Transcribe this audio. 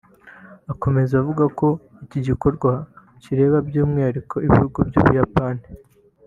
Akomeza avuga ko iki gikorwa kireba by’umwihariko ibihugu by’u Buyapani